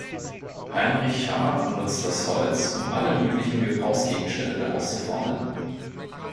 Heinrich Hammer nutzt das Holz, um alle möglichen Gebrauchsgegenstände daraus zu formen.